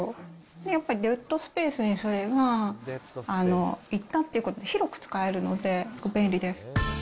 やっぱりデッドスペースにそれがいったってことで、広く使えるので、便利です。